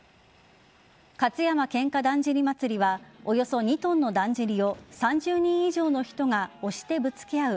勝山喧嘩だんじり祭りはおよそ２ｔのだんじりを３０人以上の人が押してぶつけ合う